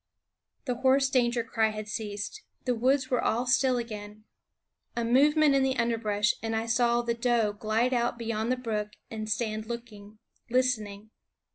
The hoarse danger cry had ceased; the woods were all still again. A movement in the underbrush, and I saw the doe glide out beyond the brook and stand looking, listening.